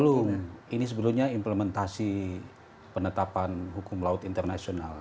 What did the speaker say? belum ini sebelumnya implementasi penetapan hukum laut internasional